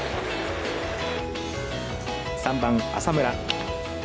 ３番、浅村。